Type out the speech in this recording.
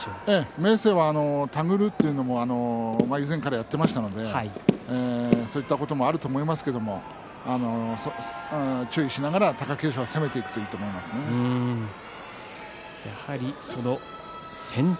明生は手繰るというのは以前からやってましたんでそういったこともあると思いますが注意しながら、貴景勝はその後も先手